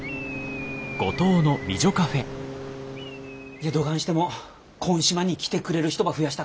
いやどがんしてもこん島に来てくれる人ば増やしたか。